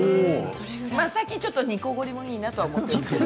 最近ちょっと煮こごりもいいなと思ってるんですけど。